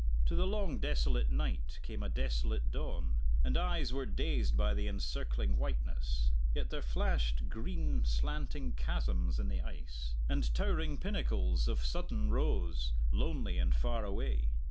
To the long desolate night came a desolate dawn, and eyes were dazed by the encircling whiteness; yet there flashed green slanting chasms in the ice, and towering pinnacles of sudden rose, lonely and far away.